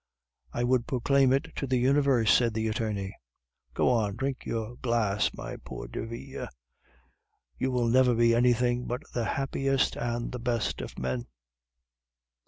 "I would proclaim it to the universe," said the attorney. "Go on, drink your glass, my poor Derville. You will never be anything but the happiest and the best of men."